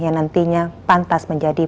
yang nantinya pantas menjadi